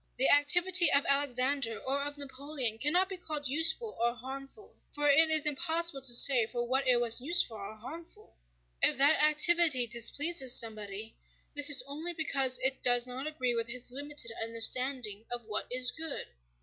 The activity of Alexander or of Napoleon cannot be called useful or harmful, for it is impossible to say for what it was useful or harmful. If that activity displeases somebody, this is only because it does not agree with his limited understanding of what is good.